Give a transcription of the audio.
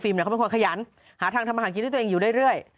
เขาเป็นคนขยันหาทางทำอาหารกินให้ตัวเองอยู่เรื่อย